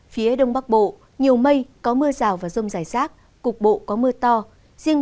phía đông bắc bộ nhiều mây có mưa rào và rông rải rác cục bộ có mưa to gió nhẹ nhiệt độ từ hai mươi hai đến ba mươi độ